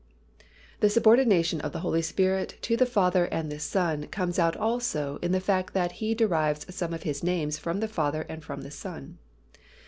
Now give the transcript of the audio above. The subordination of the Holy Spirit to the Father and the Son comes out also in the fact that He derives some of His names from the Father and from the Son.